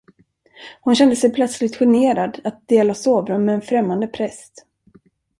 Hon kände sig plötsligt generad att dela sovrum med en främmande präst.